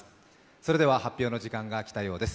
それでは発表の時間がきたようです。